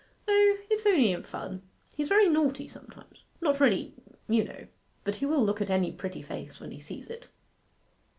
'O, it's only in fun. He's very naughty sometimes not really, you know but he will look at any pretty face when he sees it.